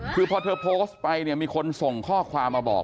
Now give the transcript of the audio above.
คือพอเธอโพสต์ไปเนี่ยมีคนส่งข้อความมาบอก